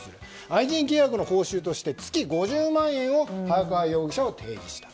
愛人契約の報酬として月５０万円を早川容疑者は提示した。